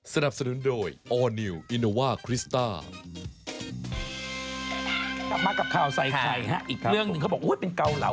กลับมากับข่าวสายขายเรื่องนึงเขาบอกก็เป็นเก่าเหลา